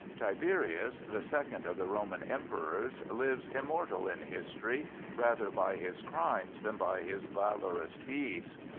Tiberius, the second of the Roman Emperors, lives immortal in history rather by his crimes than by his valorous deeds.